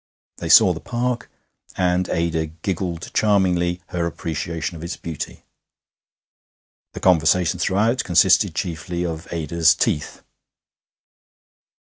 They saw the Park, and Ada giggled charmingly her appreciation of its beauty. The conversation throughout consisted chiefly of Ada's teeth.